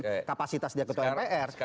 tapi kapasitasnya ke pr